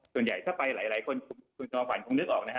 ส่วนใหญ่ถ้าไปหลายคนคุณจอมขวัญคงนึกออกนะฮะ